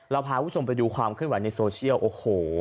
เราพาผู้ชมไปดูความขึ้นไว้ในโซเชียลโอ้โฮ